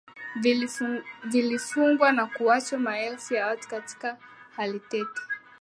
vilifungwa na kuwaacha maelfu ya watu katika hali tete